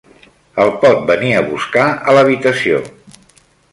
El pot venir a buscar a l'habitació.